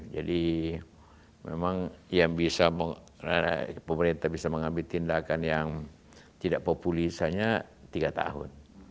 jadi memang yang bisa pemerintah bisa mengambil tindakan yang tidak populis hanya tiga tahun